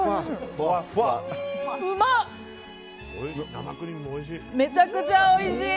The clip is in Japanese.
生クリームもおいしい。